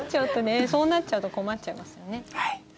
そうなっちゃうと困っちゃいますね。